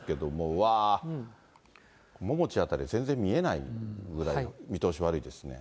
わー、ももち辺り、全然見えないぐらい、見通し悪いですね。